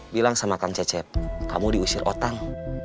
bilang sama kang cecep kamu diusir utang